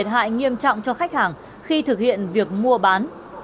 hành vi gian dối lại nghiêm trọng cho khách hàng khi thực hiện việc mua bán